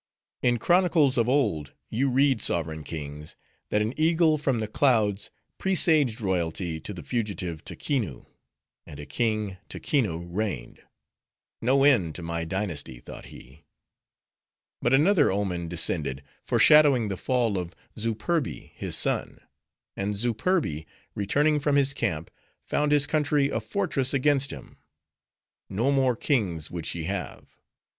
"In chronicles of old, you read, sovereign kings! that an eagle from the clouds presaged royalty to the fugitive Taquinoo; and a king, Taquinoo reigned; No end to my dynasty, thought he. "But another omen descended, foreshadowing the fall of Zooperbi, his son; and Zooperbi returning from his camp, found his country a fortress against him. No more kings would she have.